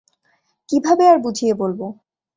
কীভাবে আর বুঝিয়ে বলব?